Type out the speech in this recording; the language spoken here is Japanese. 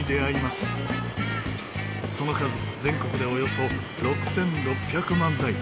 その数全国でおよそ６６００万台。